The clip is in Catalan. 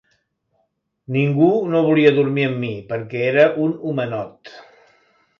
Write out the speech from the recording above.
Ningú no volia dormir amb mi perquè era un “homenot”.